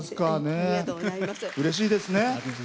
うれしいですね。